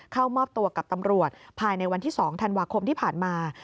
เข้ามอบตัวกับตำรวจภายในวันที่๒ธันวาคมที่ผ่านมา